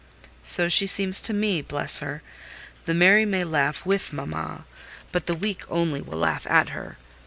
"So she seems to me—bless her! The merry may laugh with mamma, but the weak only will laugh at her.